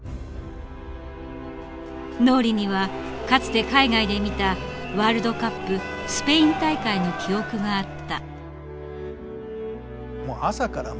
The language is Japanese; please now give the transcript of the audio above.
脳裏にはかつて海外で見たワールドカップスペイン大会の記憶があった。